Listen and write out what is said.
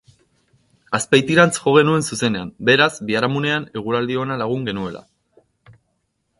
Azpeitirantz jo genuen zuzenean, beraz, biharamunean, eguraldi ona lagun genuela.